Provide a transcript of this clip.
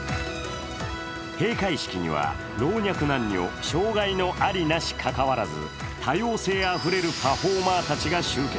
閉会式には、老若男女、障がいのあり、なしかかわらず多様性あふれるパフォーマーたちが集結。